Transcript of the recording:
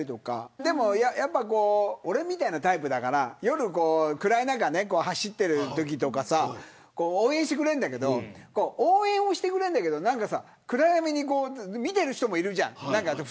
でも、やっぱり俺みたいなタイプだから夜暗い中走ってるときとか応援してくれるんだけど暗闇から見てる人もいるじゃん。